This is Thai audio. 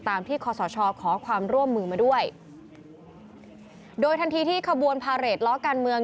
ที่คอสชขอความร่วมมือมาด้วยโดยทันทีที่ขบวนพาเรทล้อการเมือง